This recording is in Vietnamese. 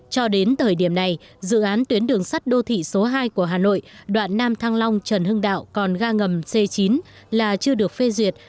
cho đến thời điểm này dự án tuyến đường sắt đô thị số hai của hà nội đoạn nam thăng long trần hưng đạo còn ga ngầm c chín là chưa được phê duyệt